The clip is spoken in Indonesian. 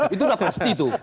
itu sudah pasti itu